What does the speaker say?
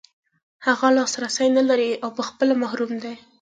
هغه لاسرسی نلري او په خپله محروم دی.